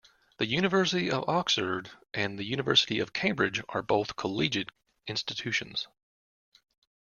The University of Oxford and the University of Cambridge are both collegiate institutions